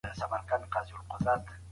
لېمه